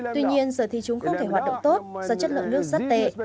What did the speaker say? tuy nhiên giờ thì chúng không thể hoạt động tốt do chất lượng nước rất tệ